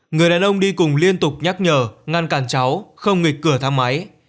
người đàn ông đi cùng liên tục nhắc nhở ngăn cản cháu không nghịch cửa thang máy